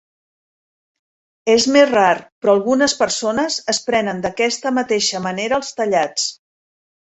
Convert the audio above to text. És més rar, però algunes persones es prenen d'aquesta mateixa manera els tallats.